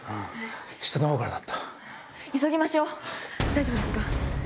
大丈夫ですか？